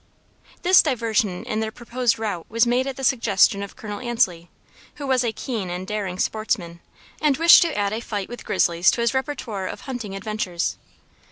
This diversion in their proposed route was made at the suggestion of Col. Ansley, who was a keen and daring sportsman, and wished to add a fight with grizzlies to his répertoire of hunting adventures.